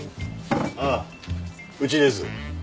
ああうちです。